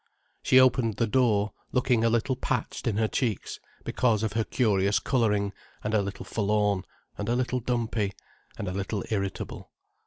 She opened the door looking a little patched in her cheeks, because of her curious colouring, and a little forlorn, and a little dumpy, and a little irritable.